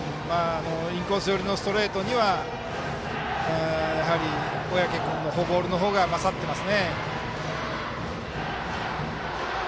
インコース寄りのストレートには、やはり小宅君のボールの方が勝っています。